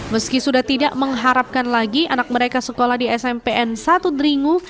meski sudah tidak mengharapkan lagi anak mereka sekolah di smpn satu deringu